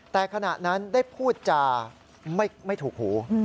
แต่ขณะนั้นได้พูดจาไม่ถูกหู